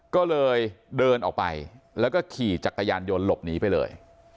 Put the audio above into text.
ก็เลยเดินออกไปแล้วก็ขี่จักรยานยนต์หลบหนีไปเลย